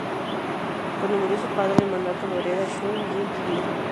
Cuando murió su padre, el mandato lo hereda Shun Ying Lee.